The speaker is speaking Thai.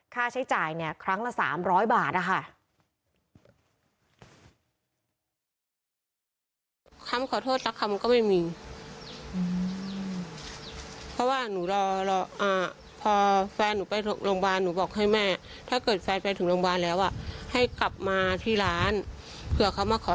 ค่าใช้จ่ายเนี่ยครั้งละ๓๐๐บาทนะคะ